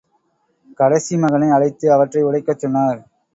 கடைசி மகனை அழைத்து, அவற்றை உடைக்கச் சொன்னார்.